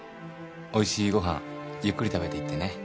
おいしいご飯ゆっくり食べていってね。